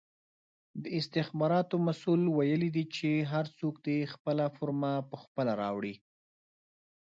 د استخباراتو مسئول ویلې دي چې هر څوک دې خپله فرمه پخپله راوړي!